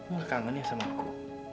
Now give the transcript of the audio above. kamu kangen ya sama aku